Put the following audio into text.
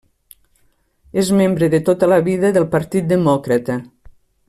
És membre de tota la vida del partit demòcrata.